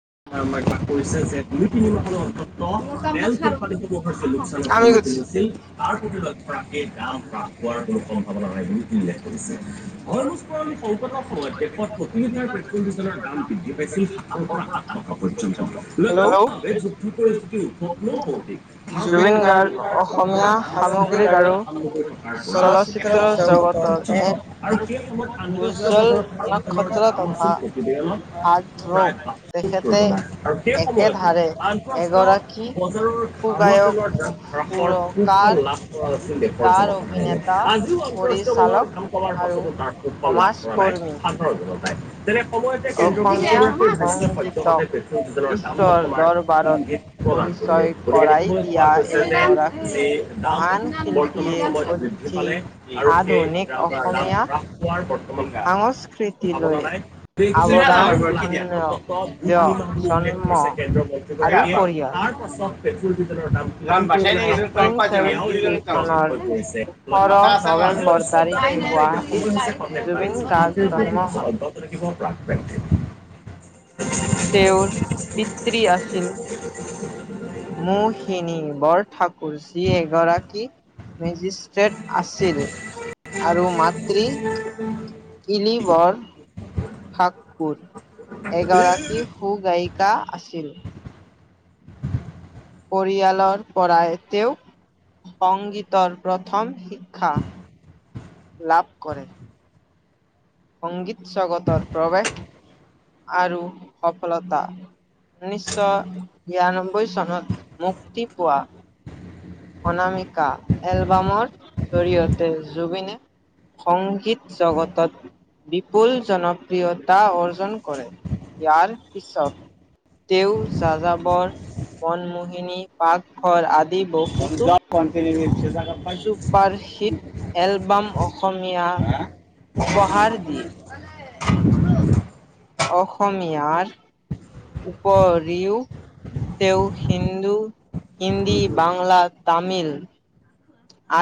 [unintelligible] [inaudible] তাৰ প্ৰতি লক্ষ্য ৰাখি দাম আমি হ্ৰাস পোৱাৰ কোনো সম্ভাৱনা নাই বুলি উল্লেখ কৰিছে। হৰমোজ পৰলি সংকটৰ সময়ত দেশত প্ৰতি লিটাৰ পেট্ৰল-ডিজেলৰ দাম বৃদ্ধি পাইছিল সাতশৰ পৰা আঠশ জুবিন হেল্ল'- জুবিন গাৰ্গ অসমীয়া [unintelligible] সামগ্ৰিক আৰু [inaudible] অসমত চলচ্চিত্ৰ আন্তঃবজাৰত জগতৰ এক খাৰুৱা তেলৰ উজ্জ্বল দাম নক্ষত্ৰ তথা আছিল প্ৰতিবেদনত হাৰ্ড ৰপ প্ৰায় [unintelligible] তেখেতে আৰু সেই সময়তো একেধাৰে আন্তঃৰাষ্ট্ৰীয় এগৰাকী বজাৰৰ খাৰুৱা সুগায়ক তেলৰ দাম ৰাস সুৰকাৰ সুফল কৰা হৈছিল দেশৰ গীটাৰ জনসাধাৰণ অভিনেতা আজিও আন্তঃৰাষ্ট্ৰীয় বজাৰৰ পৰিচালক ধাম কলাৰ আৰু পাছত তাৰ সুফল লাভ কৰা নাই সমাজকৰ্মী সাধাৰণ জনতাই তেনে সময়তে কেন্দ্ৰীয় অসমীয়া মন্ত্ৰী পেট্ৰল সংগীতক ডিজেলৰ দাম বিশ্বৰ নকমাৰ দৰবাৰত ইংগিত প্ৰদান কৰিলে নিশ্চয় গতিকে কৰাই দেখিবলৈ পোৱা দিয়া গৈছে যে এইগৰাকী যি দাম মহান বৰ্তমান শিল্পীয়ে সময়ত বৃদ্ধি উঠি পালে আৰু সেই আধুনিক দাম অসমীয়া হ্ৰাস পোৱাৰ ভাৱনা সংস্কৃতিলৈ নাই অৱদান অন্তত অনবদ্য। কথাটো উল্লেখ জন্ম কৰিছে কেন্দ্ৰীয় আৰু মন্ত্ৰীগৰাকীয়ে পৰিয়াল। তাৰ পাছত পেট্ৰল ডিজেলৰ দাম [unintelligible] এতিয়া ছেভেন্টি টু চনৰ ওঠৰ নৱেম্বৰ তাৰিখে গুৱাহাটীত হৈছে খন্তেক জুবিন বানিজ্যিক গাৰ্গ বিৰতি, জন্ম বিৰতিৰ পিছত হয়। অব্যাহত থাকিব ফ্ৰাক প্ৰাম টাইম। তেওঁৰ পিতৃ আছিল। মৌশিনী বৰ ঠাকুৰ যি এগৰাকী মেজিষ্ট্ৰেট আছিল আৰু মাতৃ ইলিবৰ ঠাকুৰ এগৰাকী সু গায়িক- কা আছিল। পৰিয়ালৰ পৰাই তেওঁক সংগীতৰ প্ৰথম শিক্ষা লাভ কৰে। সংগীত জগতৰ প্ৰৱেশ আৰু সফলতা ঊনৈশ বিৰান্নব্বৈ চনত মুক্তি পোৱা অনামিকা এলবামৰ জৰিয়তে জুবিনে সংগীত জগতত বিপুল জনপ্ৰিয়তা অৰ্জন কৰে। ইয়াৰ পিছত তেওঁ যাজাবৰ, মনমোহিনী, পাকঘৰ আদি বহ [unintelligible] ছুপাৰ হিট এলবাম অসমীয়া উপহাৰ দিয়ে। [unintelligible] অসমীয়াৰ উপৰিও তেওঁ হিন্দু হিন্দী, বাংলা তামিল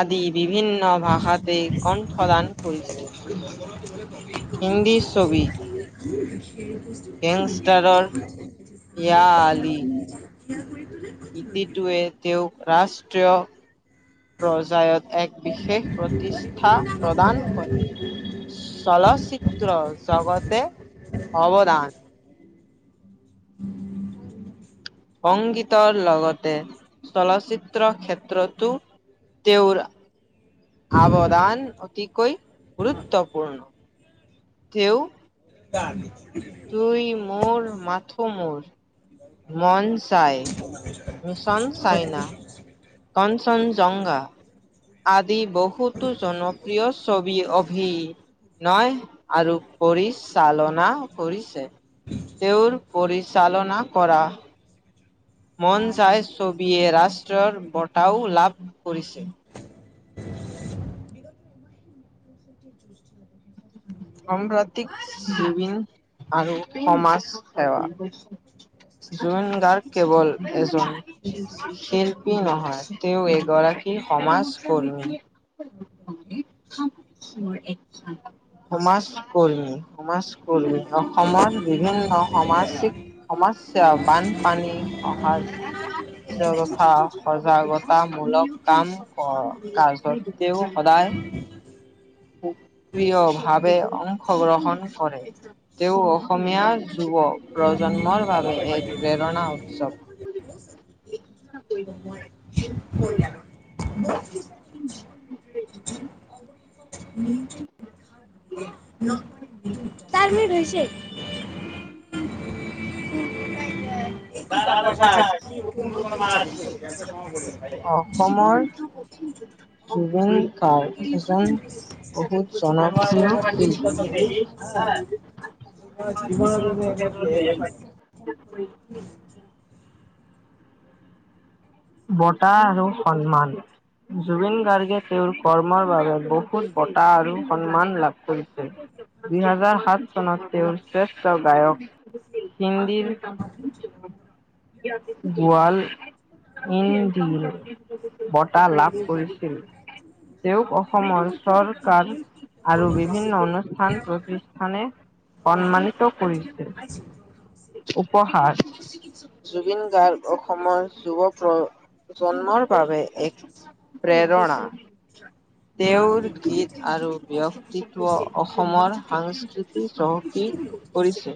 আদি বিভিন্ন ভাষাতে কণ্ঠদান কৰিছ- [unintelligible] হিন্দী ছবি গেংষ্টাৰৰ [unintelligible] গীতিটোৱে তেওঁ ৰাষ্ট্ৰীয় পৰ্যায়ত এক বিশেষ প্ৰতিষ্ঠা প্ৰদান কৰে। চলচিত্ৰ জগতে অৱদান সংগীতৰ লগত তে চলচিত্ৰ ক্ষেত্ৰতো তেওঁৰ অৱদান অতিকৈ গুৰুত্বপূৰ্ণ তেওঁ [unintelligible] তুমি মোৰ মাথোঁ মোৰ, মন যায়, মিছন চাইনা, কনঞ্চনজংঘা আদি বহুতো জনপ্ৰিয় ছবি অভি- নয় আৰু পৰিচালনা কৰিছে। তেওঁৰ পৰিচালনা কৰা মন যায় ছবিয়ে ৰাষ্ট্ৰৰ বঁটাও লাভ কৰিছে। [inaudible] সাম্প্ৰতিক জুবিন আৰু সমাজ সেৱা জুবিন গাৰ্গ কেৱল এজন শিল্প- কি নহয় তেওঁ এগৰাকী সমাজকৰ্মী [unintelligible] সমাজকৰ্মী-সমাজকৰ্মী অসমৰ বিভিন্ন সমাজিক সমাজ সমস্যা বানপানী সহজ দ্বিতীয় কথা সজাগতামূলক কাম অ' কাজতেও সদায় [unintelligible] প্ৰিয়ভাৱে অংশগ্ৰহণ কৰে, তেওঁ অসমীয়া যুৱ প্ৰজ প্ৰজন্মৰ বাবে এক প্ৰেৰণা [inaudible] [inaudible] চাৰ মিনিট হৈছে, তারা পয়সা আছে। [inaudible] কোন মাছ আছে? অসমৰ একটা সময় বলে, ভাইয়া। [unintelligible] চাও দে চোন বহুত জনপ্ৰিয় শিল্পী জীবন [unintelligible] [unintelligible] [inaudible] বঁটা আৰু সন্মান জুবিন গাৰ্গে তেওঁৰ কৰ্মৰ বাবে বহুত বঁটা আৰু সন্মান লাভ কৰিছে। দুইহেজাৰ সাত চনত তেওঁৰ শ্ৰেষ্ঠ গায়ক হিন্দীৰ [unintelligible] [unintelligible] বঁটা লাভ কৰিছিল তেওঁক অসমৰ চৰকাৰ আৰু বিভিন্ন অনুষ্ঠান-প্ৰতিষ্ঠানে সন্মানিত কৰিছে, উপহাৰ জুবিন গাৰ্গ অসমৰ যুৱ প্ৰ প্ৰজন্মৰ বাবে এক প্ৰেৰণা। তেওঁৰ গীত আৰু ব্যক্তিত্ব অসমৰ সাংস্কৃতিক চহকী কৰিছে,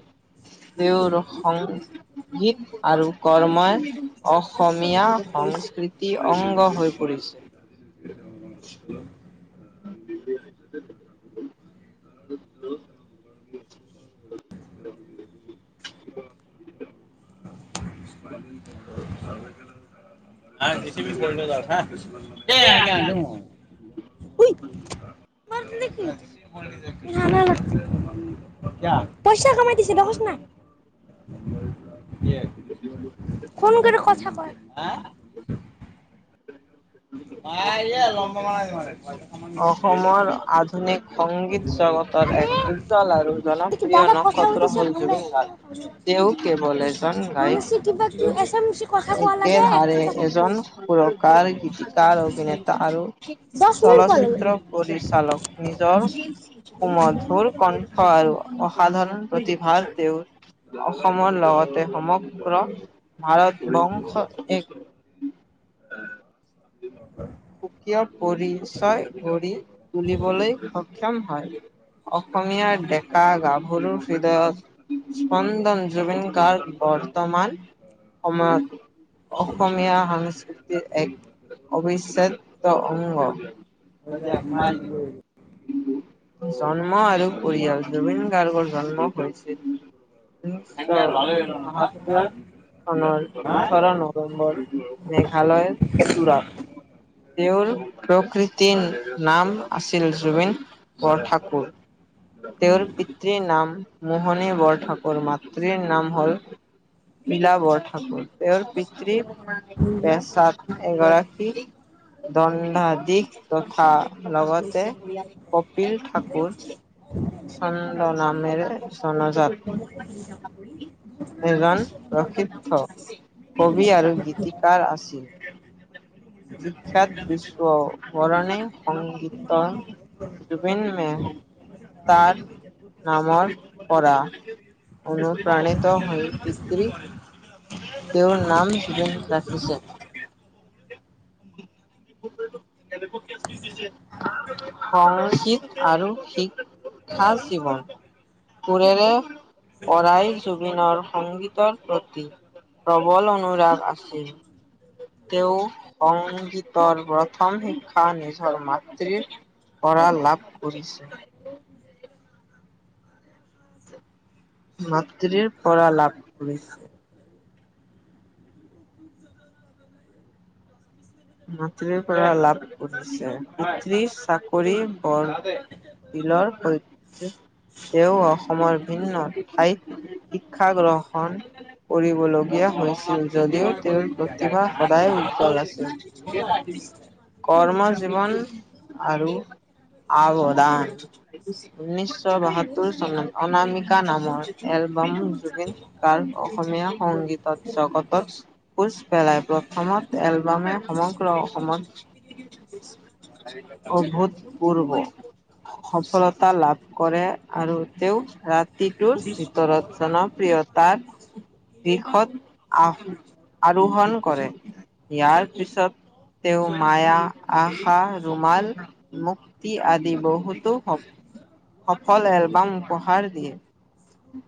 তেওঁৰ সংগীত আৰু কৰ্মই অসমীয়া সংস্কৃতিৰ অংগ হৈ পৰিছে। [unintelligible] [unintelligible] [inaudible] [inaudible] [inaudible] [unintelligible] [inaudible] কিয়া, পইচা কমাই দিছে দেখচ না [unintelligible] ফোন কৰি কথা কয়, হা [inaudible] [unintelligible] অসমৰ আধুনিক সংগীত জগতৰ এক এক উজ্জ্বল আৰু জনপ্ৰিয় নক্ষত্ৰ হ'ল জুবিন গাৰ্গ, তেওঁ কেৱল এজন গায়ক [unintelligible] একেধাৰে এজন সুৰকাৰ, গীত গীতকাৰ, অভিনেতা আৰু চলচ্চিত্ৰ পৰিচালক নিজৰ মধুৰ কণ্ঠ আৰু অসাধাৰণ প্ৰতিভা তেওঁ অসমৰ লগতে সমগ্ৰ ভাৰতবংশ এক [inaudible] সুকীয় পৰিচয় গঢ়ি তুলিবলৈ সক্ষম হয় অসমীয়াৰ ডেকা-গাভৰুৰ হৃদয়ত স্পন্দন জুবিন গাৰ্গ বৰ্তমান সময়ত অসমীয়া সাংস্কৃতি [unintelligible] এক অবিচ্ছেদ্য অংগ। জন্ম আৰু পৰিয়াল জুবিন গাৰ্গৰ জন্ম হৈছিল [unintelligible] [unintelligible] ওঠৰ নৱেম্বৰ, মেঘালয়, তুৰা। তেওঁৰ, প্ৰকৃতিৰ নাম আছিল জুবিন। বৰঠাকুৰ। তেওঁৰ পিতৃৰ নাম, মোহনী বৰঠাকুৰ, মাতৃৰ নাম হল মিলা বৰঠাকুৰ, তেওঁৰ পিতৃ, [unintelligible] এগৰাকী, দণ্ডাধিক তথা, লগতে কপিল ঠাকুৰ। চন্দ নামেৰে জনাজাত। এজন, প্ৰসিদ্ধ। কবি আৰু গীতিকাৰ আছিল। বিখ্যাত বিশ্ব। বৰনে সংগীতৰ, জুবিন মে তাৰ নামৰ পৰা, অনুপ্ৰাণিত হৈ পিতৃৃ তেওঁৰ নাম জুবিন ৰাখিছে। [unintelligible] সংকীৃত আৰু শিক্ষা জীৱন। সুৰেৰে, পৰাই জুবিনৰ সংগীতৰ প্ৰতি প্ৰবল অনুৰাগ আছিল। তেওঁ সংগীতৰ প্ৰথম শিক্ষা নিজৰ মাতৃৰ পৰা লাভ কৰিছে। মাতৃৰ পৰা লাভ কৰিছে। মাতৃৰ পৰা লাভ কৰিছে, পিতৃ চাকৰি বৰ ৰিলৰ সৈতে। তেওঁ অসমৰ ভিন্ন ঠাইত শিক্ষা গ্ৰহণ কৰিবলগীয়া তে হৈছিল যদিও তেওঁৰ প্ৰতিভা সদায় উজ্জ্বল আছে, কৰ্মৰ জীৱন আৰু আৱদান, ঊনৈশ বাসত্তৰ চনত অনামিকা নামৰ এল বাম জুবিন গাৰ্গ অসমীয়া সংগীতত জগতত, খোজ পেলাই প্ৰথম অসমত এলবামে সমগ্ৰ অসমত অভূতপূৰ্ব। সফলতা লাভ কৰে, আৰু তেওঁ ৰা তিটোৰ ভিতৰত জনপ্ৰিয় তাত শীৰ্ষত আ, আৰোহণ কৰে, ইয়াৰ পিছত। তেওঁ মায়া, আশা, ৰুমাল, মুক্তি আদি বহুতো হ সফল এলবাম উপহাৰ দিয়ে।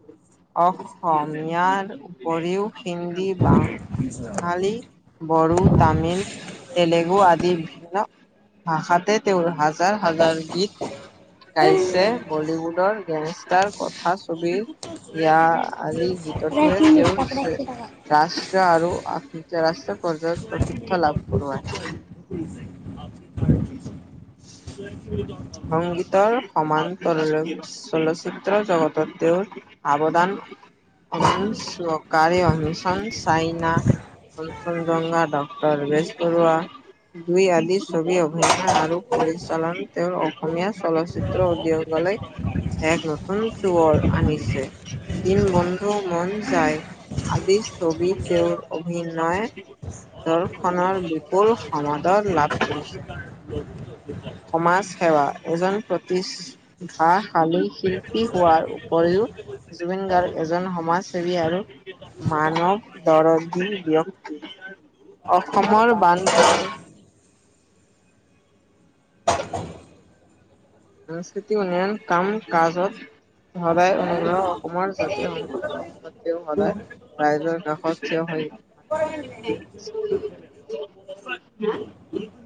অসমীয়াৰ উপৰিও হিন্দী বা বাঙালী, বড়ো তামিল, তেলে গো আদি বিভিন্ন, ভাষাতে তেওঁৰ হাজাৰ হাজাৰ গীত গাইছে, বলীউডৰ গেংষ্টাৰ কথা ছবি ইয়া আলি গীতটোৱে তেওঁৰ ৰাষ্ট্ৰ আৰু আ ৰাষ্ট্ৰীয় পৰ্যায়ত প্ৰসিদ্ধ লাভ কৰোৱাই [unintelligible] [unintelligible] সংগীতৰ সমান্তৰলৈ চলচ্চিত্ৰ জগতত তেওঁৰ, আৱদান অসম চকাৰে অ, mission China Kanchenjunga, doctor Bezbaruah, দুই আলিৰ ছবিও [unintelligible] আৰু পৰিচালন তেওঁৰ অসমীয়া চলচিত্ৰ উদ্যগলৈ এক নতুন যুৱৰ আনিছে, দিন বন্ধু, মন যায় আদিৰ ছবিত এটা তেওঁৰ অভিনয় দলখনৰ বিপুল সমাদৰ লাভ কৰিছে। সমাজ সেৱা। এজন প্ৰতিষ্ঠাশালী শিল্পী হোৱাৰ উপৰিও জুবিন গাৰ্গ এজন সমাজসেৱী আৰু মানৱ দৰদী ব্যক্ অসমৰ বান [inaudible] সাংস্কৃতিক উন্নয়ন কাম-কাজত ভাৱে [unintelligible] অসমৰ জাতীয় একটু সংকটত [inaudible] ভালো হোৱা নাই। ৰাইজৰ কাষত থিয় হৈ করে [unintelligible]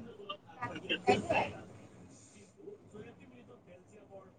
করেন [unintelligible]